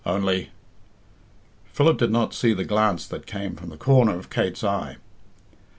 "Only " Philip did not see the glance that came from the corner of Kate's eye.